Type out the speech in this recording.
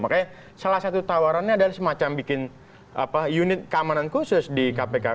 makanya salah satu tawarannya adalah semacam bikin unit keamanan khusus di kpk